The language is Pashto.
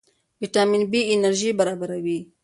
ویټامین بي انرژي برابروي.